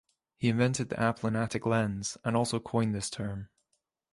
He invented the aplanatic lens and also coined this term.